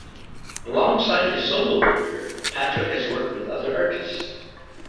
Alongside his solo career, Patrick has worked with other artists.